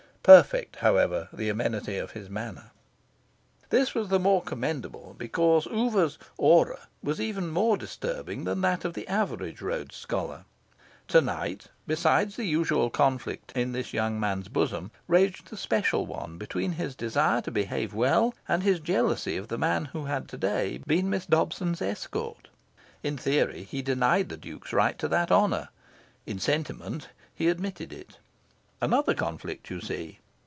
Perfect, however, the amenity of his manner. This was the more commendable because Oover's "aura" was even more disturbing than that of the average Rhodes Scholar. To night, besides the usual conflicts in this young man's bosom, raged a special one between his desire to behave well and his jealousy of the man who had to day been Miss Dobson's escort. In theory he denied the Duke's right to that honour. In sentiment he admitted it. Another conflict, you see.